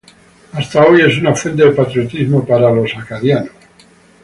Hasta hoy es una fuente de patriotismo para los acadianos.